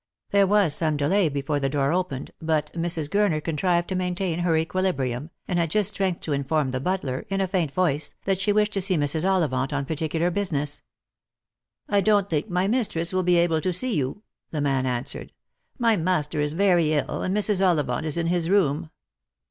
There was some delay before the door opened, but, Mrs. Gurner contrived to maintain her equilibrium, and had just strength to inform the butler, in a faint voice, that she wished to see Mrs. Ollivant on particular business. " I don't think my mistress will be able to see you," the man answered; " my master is very ill, and Mrs. Ollivant is in his room."